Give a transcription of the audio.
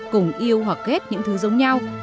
cùng yêu hoặc ghét những thứ giống nhau